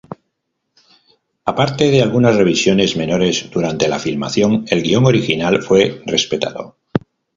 Aparte de algunas revisiones menores durante la filmación, el guion original fue respetado.